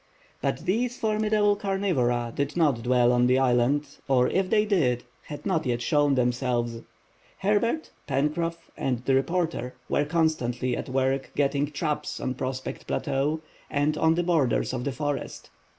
But these formidable carnivora did not dwell on the island, or if they did, had not yet shown themselves. Herbert, Pencroff, and the reporter were constantly at work getting traps on Prospect Plateau and on the borders of the forest.